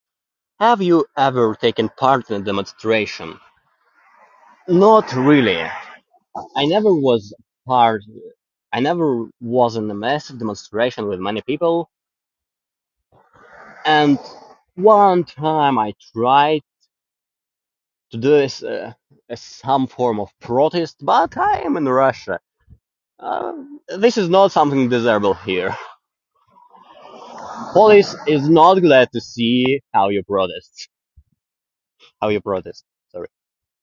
Have you ever taken part in a demonstration? Not really. I never was part, I never was in a mass demonstration with many people. And one time I tried to do this, some form of protest, but I am in Russia. Um, this is not something desirable here. Police is not glad to see how you protest, how you protest, sorry.